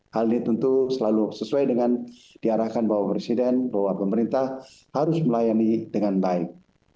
hal ini tentu selalu sesuai dengan diarahkan bapak presiden bahwa pemerintah harus melayani dengan baik